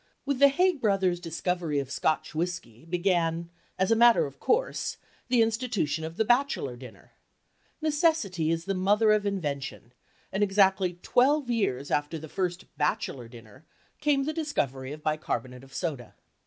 With the Haig brothers' discovery of Scotch whiskey began, as a matter of course, the institution of the "bachelor dinner." "Necessity is the mother of invention," and exactly twelve years after the first "bachelor dinner" came the discovery of bicarbonate of soda.